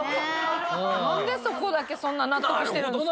なんでそこだけそんな納得してるんですか？